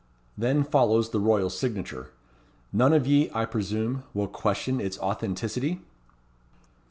Then follows the royal signature. None of ye, I presume, will question its authenticity?"